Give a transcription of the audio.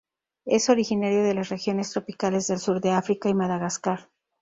Es originario de las regiones tropicales del sur de África y Madagascar.